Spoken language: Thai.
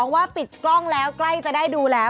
ว่าปิดกล้องแล้วใกล้จะได้ดูแล้ว